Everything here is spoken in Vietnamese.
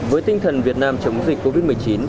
với tinh thần việt nam chống dịch covid một mươi chín